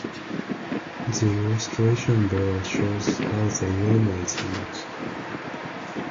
The illustration below shows how the Romer is used.